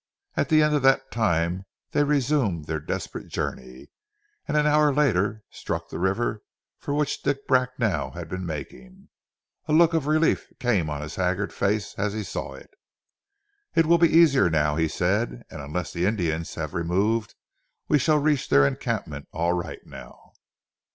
At the end of that time they resumed their desperate journey, and an hour later struck the river for which Dick Bracknell had been making. A look of relief came on his haggard face as he saw it. "It will be easier now," he said, "and unless the Indians have removed we shall reach the encampment all right now."